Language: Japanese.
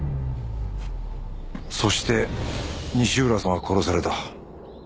そして西浦さんは殺された。